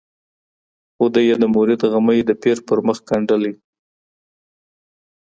خو دوى يې د مريد غمى د پير پر مخ ګنډلی